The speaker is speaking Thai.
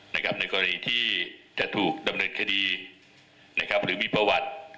ในกรณีที่จะถูกดำเนินคดีหรือมีประวัติ